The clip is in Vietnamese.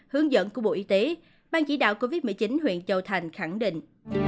hướng dẫn của bộ y tế bang chỉ đạo covid một mươi chín huyện châu thành khẳng định